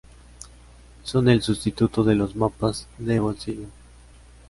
Son el sustituto de los mapas de bolsillo.